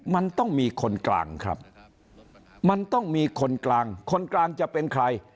มันต้องมีคนกลางครับมันต้องมีคนกลางคนกลางจะเป็นใคร